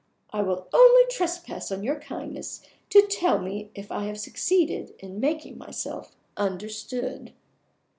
I will only trespass on your kindness to tell me if I have succeeded in making myself understood."